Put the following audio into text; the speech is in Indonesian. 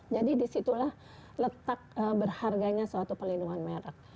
jadi disitulah letak berharganya suatu pelindungan merek